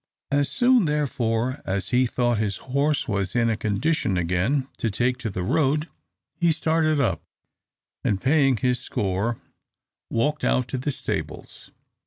As soon, therefore, as he thought his horse was in a condition again to take to the road, he started up, and paying his score, walked out to the stables.